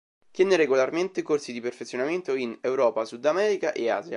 Tiene regolarmente corsi di perfezionamento in Europa, Sud America e Asia.